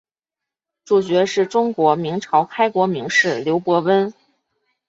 主角是中国明朝开国名士刘伯温。